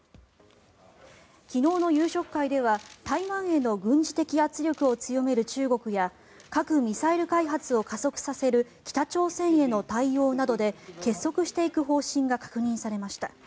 昨日の夕食会では台湾への軍事的圧力を強める中国や核・ミサイル開発を加速させる北朝鮮への対応などで結束していく方針が確認されました。